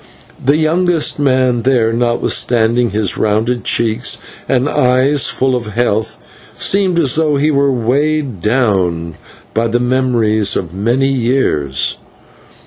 The youngest man there, notwithstanding his rounded cheeks and eyes full of health, seemed as though he were weighed down by the memories of many years.